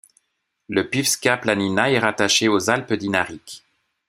La Pivska planina est rattachée aux Alpes dinariques.